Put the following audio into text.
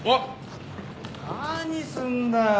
何すんだよ！